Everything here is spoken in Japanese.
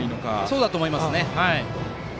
そうだと思います。